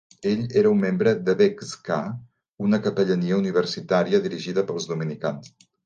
Ell era un membre de Beczka, una capellania universitària dirigida pels dominicans.